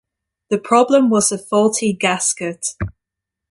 The problem was a faulty gasket.